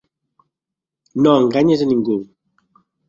No enganyes a ningú.